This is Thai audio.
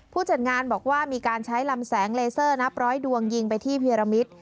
จัดงานบอกว่ามีการใช้ลำแสงเลเซอร์นับร้อยดวงยิงไปที่เพียรมิตร